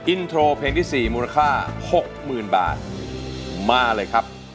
อินโทรเพลงที่๔มูลค่า๖๐๐๐บาทมาเลยครับ